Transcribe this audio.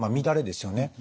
乱れですよね。